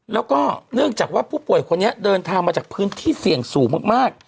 แล้วก็เนื่องจากว่าผู้ป่วยคนนี้เดินทางมาจากพื้นที่เสี่ยงสูงมาก